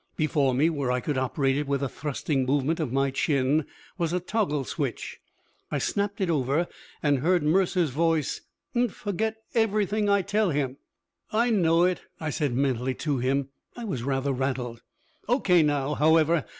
Before me, where I could operate it with a thrusting movement of my chin, was a toggle switch. I snapped it over, and heard Mercer's voice: " n't forget everything I tell him." "I know it," I said mentally to him. "I was rather rattled. O.K. now, however.